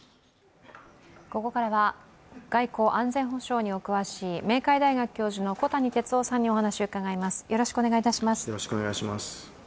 ここからは外交・安全保障にお詳しい明海大学教授の小谷哲男さんにお話を伺います。